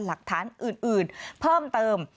หลักฐานอื่นเพิ่มเติม